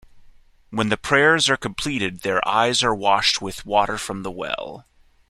When the prayers are completed their eyes are washed with water from the well.